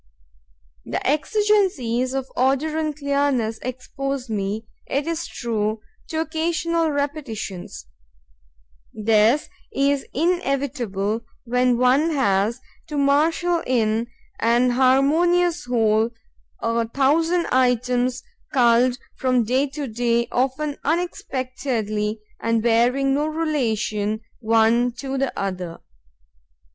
The exigencies of order and clearness expose me, it is true, to occasional repetitions. This is inevitable when one has to marshal in an harmonious whole a thousand items culled from day to day, often unexpectedly, and bearing no relation one to the other.